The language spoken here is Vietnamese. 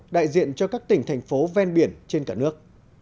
đại diện cho các tỉnh thành phố ven biển trên cả nước